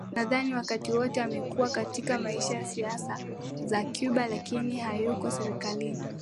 nadhani wakati wote amekuwa katika maisha ya siasa za Cuba lakini hayuko serikalini